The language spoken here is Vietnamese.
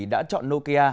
đã chọn nokia